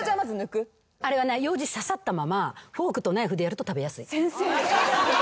あれはなようじ刺さったままフォークとナイフでやると食べやすい。